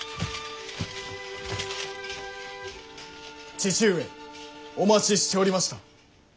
父上お待ちしておりました。